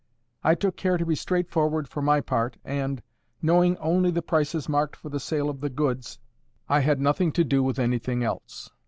I took care to be straightforward for my part, and, knowing only the prices marked for the sale of the goods, I had nothing to do with anything else.